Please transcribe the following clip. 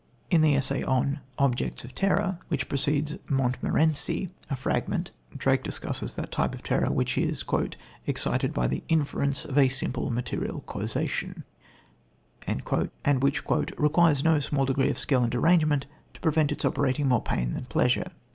In the essay on Objects of Terror, which precedes Montmorenci, a Fragment, Drake discusses that type of terror, which is "excited by the interference of a simple, material causation," and which "requires no small degree of skill and arrangement to prevent its operating more pain than pleasure."